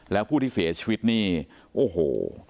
แล้วผู้ที่เสียชีวิตนี่โอ้โห